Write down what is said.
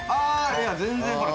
いや全然ほら。